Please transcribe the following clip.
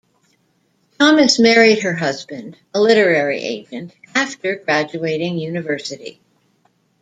Thomas married her husband, a literary agent, after graduating university.